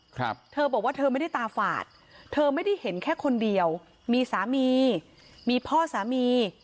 ครับเธอบอกว่าเธอไม่ได้ตาฝาดเธอไม่ได้เห็นแค่คนเดียวมีสามีมีพ่อสามี